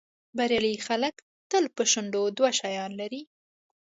بریالي خلک تل په شونډو دوه شیان لري.